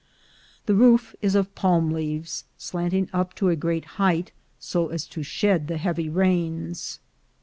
The roof is of palm leaves, slanting up to a great height, so as to shed the heavy rains.